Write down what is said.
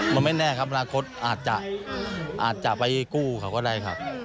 มันไม่แน่ครับอนาคตอาจจะไปกู้เขาก็ได้ครับ